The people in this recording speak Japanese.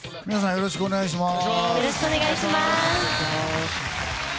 よろしくお願いします。